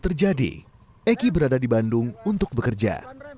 terjadi eki berada di bandung untuk bekerja